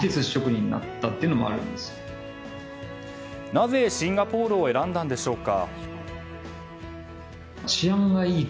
なぜ、シンガポールを選んだんでしょうか。